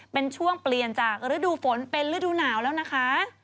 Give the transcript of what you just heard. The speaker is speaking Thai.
เป็นช่วงเปลี่ยนจากฤดูฝนเป็นฤดูหนาวแล้วนะคะ